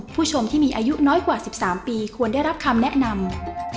ผู้ชมที่มีอายุน้อยกว่า๑๓ปีควรได้รับคำแนะนำ